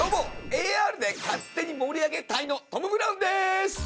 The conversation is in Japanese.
ＡＲで勝手に盛り上げ隊のトム・ブラウンでーす！」